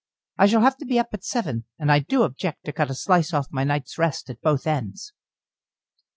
I shall have to be up at seven, and I do object to cut a slice off my night's rest at both ends."